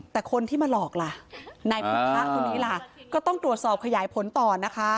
แต่คนที่มาหลอกล่ะนายพุทธะคนนี้ล่ะก็ต้องตรวจสอบขยายผลต่อนะคะ